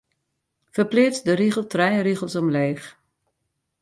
Ferpleats de rigel trije rigels omleech.